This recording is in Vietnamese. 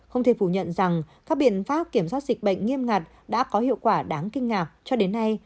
không thể phủ nhận rằng các biện pháp kiểm soát dịch bệnh nghiêm ngặt đã có hiệu quả đáng kinh ngạc cho đến nay